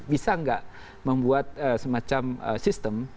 bisa nggak membuat semacam sistem